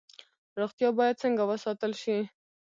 روغتیا باید څنګه وساتل شي؟